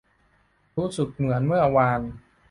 รู้สึกเหมือนเมื่อวาน